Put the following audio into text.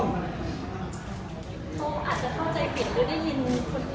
เขาอาจจะเข้าใจผิดหรือได้ยินคนอื่น